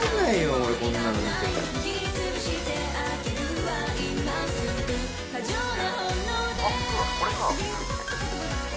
俺こんなの見ても「あっそうだこれさ」